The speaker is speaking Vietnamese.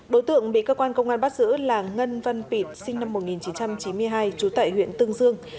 đối tượng bị cơ quan công an bắt giữ là ngân văn pịt sinh năm một nghìn chín trăm chín mươi hai trú tại huyện tương dương